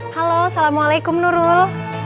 halo assalamualaikum nurul